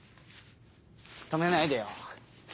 止めないでよ。